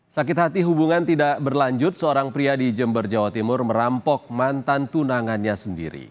sakit hati hubungan tidak berlanjut seorang pria di jember jawa timur merampok mantan tunangannya sendiri